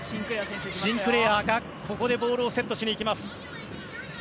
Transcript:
シンクレアがここでボールをセットしにいきます。